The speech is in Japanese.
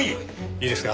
いいですか？